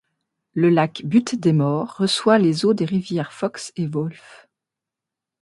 Le lac Butte des Morts reçoit les eaux des rivières Fox et Wolf.